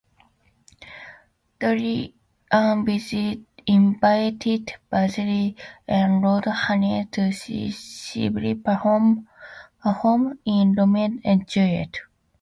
Dorian invites Basil and Lord Henry to see Sibyl perform in "Romeo and Juliet".